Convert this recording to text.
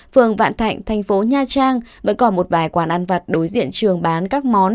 phường vạn thạnh thành phố nha trang vẫn còn một vài quán ăn vặt đối diện trường bán các món